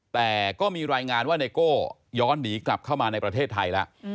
แต่ก็มีรายงานว่าไนโก้ย้อนหนีกลับเข้ามาในประเทศไทยแล้ว